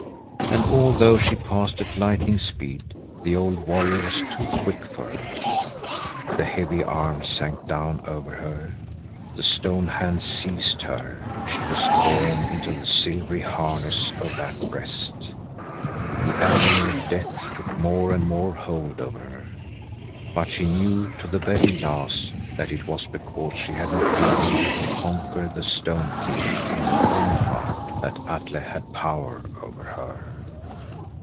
And although she passed at lightning speed, the old warrior was too quick for her. The heavy arms sank down over her, the stone hands seized her, she was drawn into the silvery harness of that breast. The agony of death took more and more hold of her, but she knew to the very last that it was because she had not been able to conquer the stone king in her own heart that Atle had power over her.